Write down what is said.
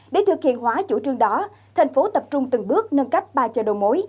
để thực hiện hóa chủ trương đó tp hcm tập trung từng bước nâng cấp ba chợ đồ mối